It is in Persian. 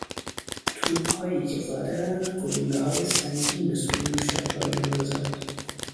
توپهایی که قادرند گلولههای سنگین به سوی موشکها بیاندازند